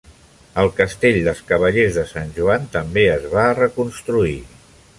El castell dels Cavallers de Sant Joan també es va reconstruir.